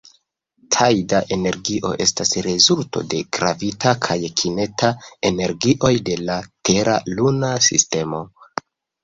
Tajda energio estas rezulto de gravita kaj kineta energioj de la Tera-Luna sistemo.